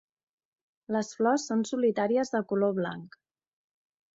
Les flors són solitàries de color blanc.